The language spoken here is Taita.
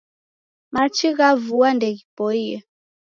Machi gha vua ndeghipoie